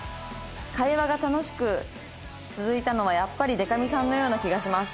「会話が楽しく続いたのはやっぱりでか美さんのような気がします」